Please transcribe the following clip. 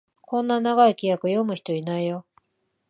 こんな長い規約、読む人いないよ